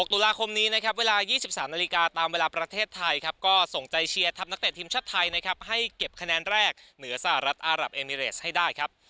ตุลาคมนี้นะครับเวลา๒๓นาฬิกาตามเวลาประเทศไทยครับก็ส่งใจเชียร์ทัพนักเตะทีมชาติไทยนะครับให้เก็บคะแนนแรกเหนือสหรัฐอารับเอมิเรสให้ได้ครับ